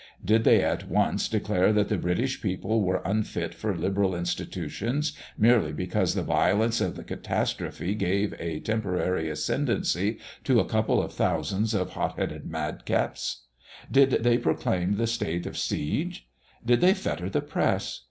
Did they at once declare that the British people were unfit for liberal institutions, merely because the violence of the catastrophe gave a temporary ascendancy to a couple of thousands of hot headed mad caps? Did they proclaim the state of siege? Did they fetter the press?